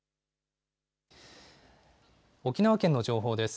沖縄県の情報です。